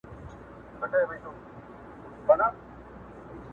بلکي د خپلو ارزښتونو